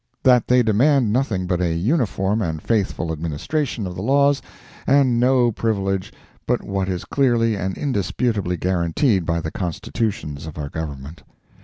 That they demand nothing but a uniform and faithful administration of the laws, and no privilege but what is clearly and indisputably guaranteed by the Constitutions of our Government.